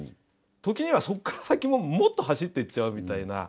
時にはそっから先ももっと走っていっちゃうみたいな。